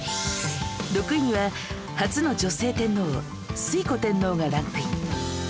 ６位には初の女性天皇推古天皇がランクイン